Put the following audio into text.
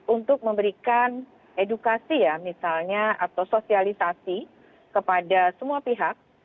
untuk memberikan edukasi ya misalnya atau sosialisasi kepada semua pihak